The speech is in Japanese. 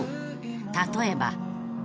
［例えば］